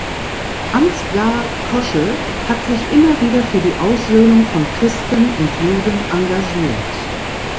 Ansgar Koschel hat sich immer wieder für die Aussöhnung von Christen und Juden engagiert.